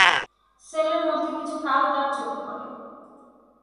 Sell এর মধ্যে কিছু কালো দাগ চোখে পড়ে।